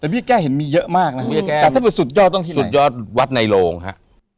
เบี้ยแก้เห็นมีเยอะมากนะฮะเบี้ยแก้แต่สุดยอดหวัดในโลงครับ